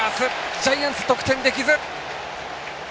ジャイアンツ、得点できず。